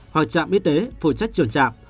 hoặc trạm y tế phụ trách trường trạm